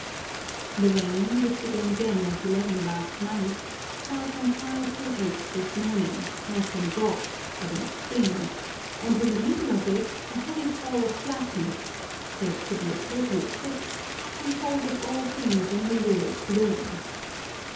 The rain, which began again at eleven last night, fell from five till eight this morning, not in drops, but in streams, and in the middle of it a heavy pall of blackness (said to be a total eclipse) enfolded all things in a lurid gloom.